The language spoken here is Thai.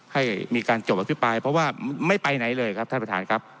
ให้มีการจบอภิปรายเพราะว่าไม่ไปไหนเลยครับท่านประธานครับ